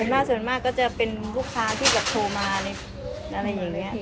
บนมากมาก็จะเป็นลูกค้าที่โทรมาอะไรอย่างนี้